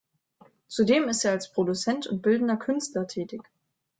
Zudem ist er als Produzent und bildender Künstler tätig.